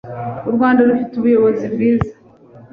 u Rwanda rufite ubuyobozi bwiza